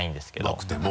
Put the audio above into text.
なくても。